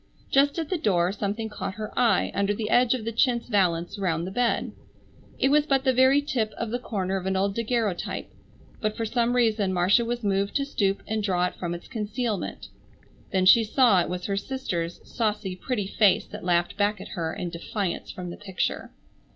Just at the door something caught her eye under the edge of the chintz valence round the bed. It was but the very tip of the corner of an old daguerreotype, but for some reason Marcia was moved to stoop and draw it from its concealment. Then she saw it was her sister's saucy, pretty face that laughed back at her in defiance from the picture.